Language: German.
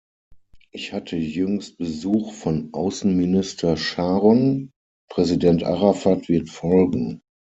Ich hatte jüngst Besuch von Außenminister Scharon, Präsident Arafat wird folgen.